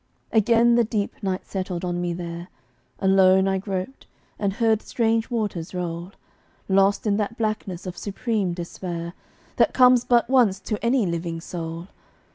Again the deep night settled on me there, Alone I groped, and heard strange waters roll, Lost in that blackness of supreme despair That comes but once to any living soul.